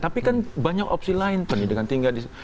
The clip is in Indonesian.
tapi kan banyak opsi lain pendidikan tinggal di